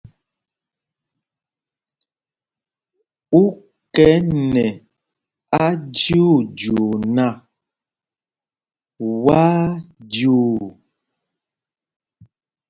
Ú kɛ nɛ ajyuujyuu nak, wá á jyuu.